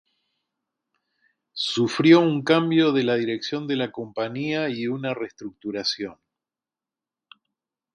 Sufrió un cambio de la dirección de la compañía y una restructuración.